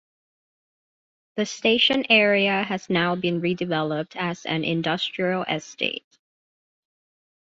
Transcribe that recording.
The station area has now been redeveloped as an industrial estate.